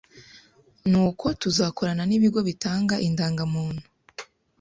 nuko tuzakorana n’ibigo bitanga indangamuntu